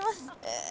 え